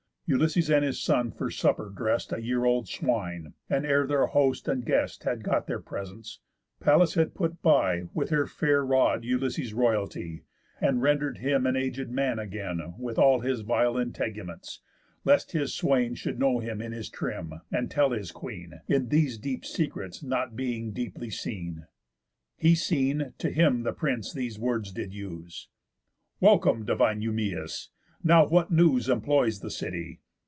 Ulysses and his son for supper drest A year old swine, and ere their host and guest Had got their presence, Pallas had put by With her fair rod Ulysses' royalty, And render'd him an aged man again, With all his vile integuments, lest his swain Should know him in his trim, and tell his queen, In these deep secrets being not deeply seen. He seen, to him the prince these words did use: "Welcome divine Eumæus! Now what news Employs the city?